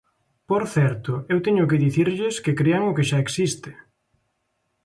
Por certo, eu teño que dicirlles que crean o que xa existe.